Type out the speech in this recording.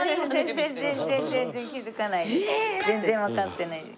全然わかってないです。